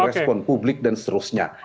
respon publik dan seterusnya